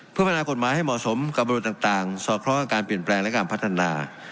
เพื่อพัฒนากฎหมายให้เหมาะสมกับบริบทต่างสอดคล้องกับการเปลี่ยนแปลงและการพัฒนา